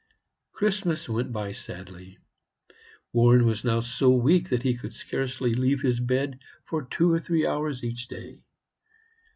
Christmas went by sadly. Warren was now so weak that he could scarcely leave his bed for two or three hours each day.